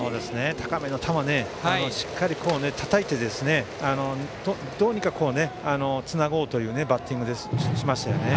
高めの球をしっかりたたいてどうにかつなごうというバッティングをしましたよね。